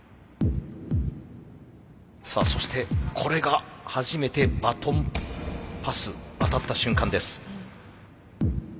さあそしてこれが初めてバトンパス渡った瞬間です。